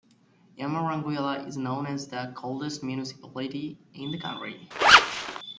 Yamaranguila is known as the coldest municipality in the country.